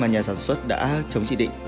mà nhà sản xuất đã chống chỉ định